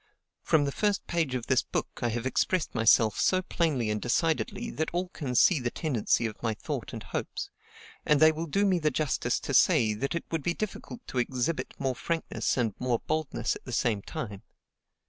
From the first page of this book, I have expressed myself so plainly and decidedly that all can see the tendency of my thought and hopes; and they will do me the justice to say, that it would be difficult to exhibit more frankness and more boldness at the same time.